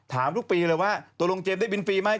ถามทุกปีเลยว่าตกลงเจมสได้บินฟรีไหม